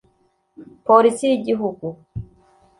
Polisi y’igihugu